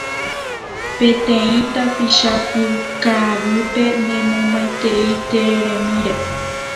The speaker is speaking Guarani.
peteĩ tapicha pukavýpe nemomaiteíva tereremíre.